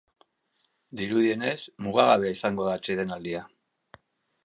Dirudienez, mugagabea izango da atsedenaldia.